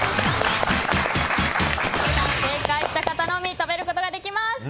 正解した方のみ食べることができます。